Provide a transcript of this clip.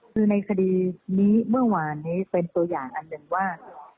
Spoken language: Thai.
คือในคดีนี้เมื่อวานนี้เป็นตัวอย่างอันหนึ่งว่า